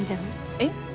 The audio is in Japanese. えっ。